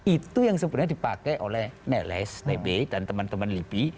itu yang sebenarnya dipakai oleh neles t b dan teman teman libi